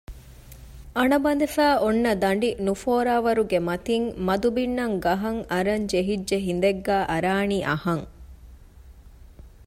އަނަ ބަނދެފައި އޮންނަ ދަނޑި ނުފޯރާވަރުގެ މަތިން މަދު ބިންނަން ގަހަށް އަރަށް ޖެހިއްޖެ ހިނދެއްގައި އަރާނީ އަހަން